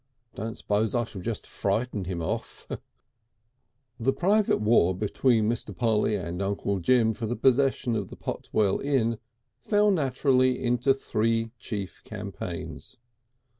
"Don't suppose I shall frighten him off." VIII The private war between Mr. Polly and Uncle Jim for the possession of the Potwell Inn fell naturally into three chief campaigns.